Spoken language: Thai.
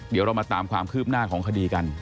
เดี๋ยวเรามาตามความคืบหน้าของคดีกัน